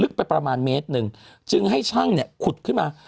ลึกไปประมาณเมตรนึงจึงให้ช่างขุดขึ้นมา